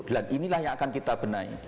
dan inilah yang akan kita benahi